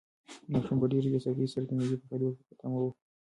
ماشوم په ډېرې بې صبري سره د مېوې پخېدو ته په تمه و.